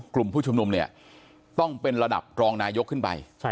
กลุ่มผู้ชุมนุมเนี่ยต้องเป็นระดับรองนายกขึ้นไป